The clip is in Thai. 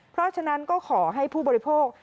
เพราะฉะนั้นก็ขอให้ผู้บริโภค